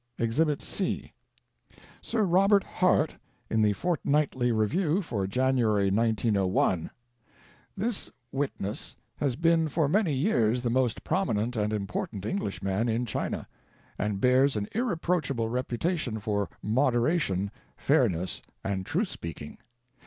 EXHIBIT c. Sir Robert Hart, in the Fortnightly Revieiv for January, 1901. TO MY MISSIONARY CRITICS. 523 This witness has been for many years the most prominent and important Englishman in China, and bears an irreproachable reputation for moderation, fairness and truth speaking.